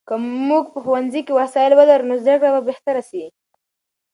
که موږ په ښوونځي کې وسایل ولرو، نو زده کړه به بهتره سي.